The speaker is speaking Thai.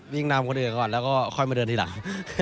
วิ่งน้ำคนอื่นก่อนแล้วข้อยมาเดินที่หลัง